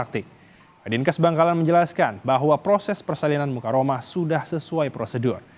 dinkes bangkalan menjelaskan bahwa proses persalinan muka romah sudah sesuai prosedur